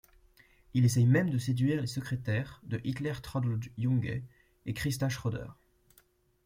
Il essaye même de séduire les secrétaires de Hitler Traudl Junge et Christa Schroeder.